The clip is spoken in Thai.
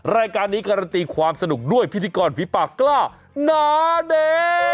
รายการนี้การันตีความสนุกด้วยพิธีกรฝีปากกล้านาเด